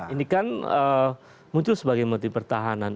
ini kan muncul sebagai menteri pertahanan